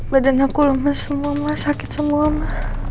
badan aku lemas semua ma sakit semua ma